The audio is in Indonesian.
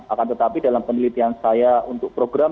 akan tetapi dalam penelitian saya untuk program